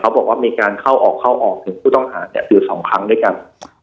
เขาบอกว่ามีการเข้าออกเข้าออกถึงผู้ต้องหาแง่สืบสองครั้งด้วยกันอ๋อ